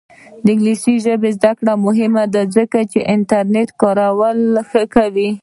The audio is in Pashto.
د انګلیسي ژبې زده کړه مهمه ده ځکه چې انټرنیټ کارول ښه کوي.